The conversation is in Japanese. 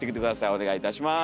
お願いいたします。